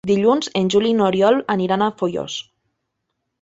Dilluns en Juli i n'Oriol aniran a Foios.